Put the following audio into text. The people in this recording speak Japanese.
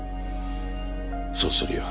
そうするよ。